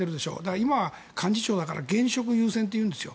今は幹事長だから現職優先というでしょう。